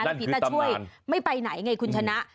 นั่นคือตำนานผีตาช่วยไม่ไปไหนไงคุณชนะ